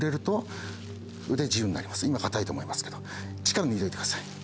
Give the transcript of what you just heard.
今硬いと思いますけど力抜いといてください。